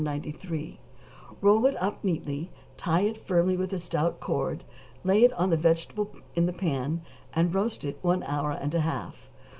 93, roll it up neatly, tie it firmly with stout cord, lay it on the vegetables in the pan, and roast it one hour and a half.